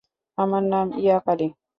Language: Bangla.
আমার নাম ইয়াকারি।